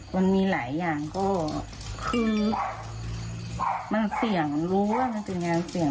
มันมีหลายอย่างก็คือมันเสี่ยงรู้ว่ามันเป็นงานเสี่ยง